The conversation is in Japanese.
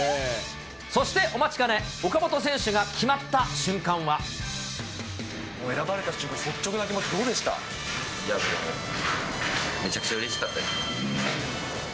そして、お待ちかね、岡本選手が選ばれた瞬間、率直な気持ち、めちゃくちゃうれしかったです。